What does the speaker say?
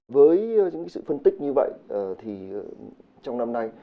với những sự phân tích như vậy thì trong năm nay